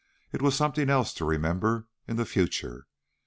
It was something else to remember in the future.